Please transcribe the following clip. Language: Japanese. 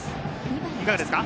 いかがですか？